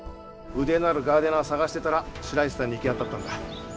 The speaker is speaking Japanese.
腕のあるガーデナー探してたら白石さんに行き当たったんだ。